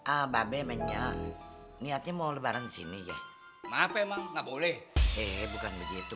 abadnya niatnya mau lebaran sini ya maaf emang nggak boleh eh bukan begitu